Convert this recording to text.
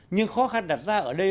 nhưng khó khăn đặt ra ở đây